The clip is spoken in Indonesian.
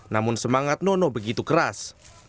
namun semangat nono begitu keras